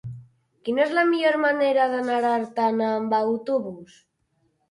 Quina és la millor manera d'anar a Artana amb autobús?